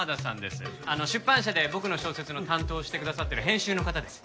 出版社で僕の小説の担当をしてくださっている編集の方です。